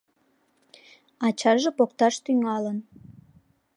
Ачаже покташ тӱҥалын.